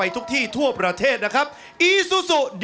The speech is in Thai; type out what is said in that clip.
ออกออกออกออกออกออกออกออกออก